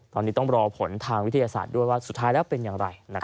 ตอนนี้ต้องรอผลทางวิทยาศาสตร์ด้วยว่าสุดท้ายแล้วเป็นอย่างไร